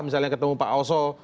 misalnya ketemu pak oso